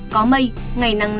có mây ngày nắng nóng